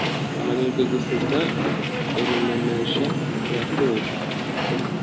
ananirwa guseka urumenesha yatojwe